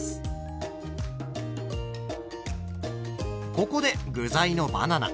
ここで具材のバナナ。